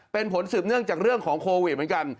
เป็นผลสืบเนื่องจากเรื่องของโควิดเหมือนกัน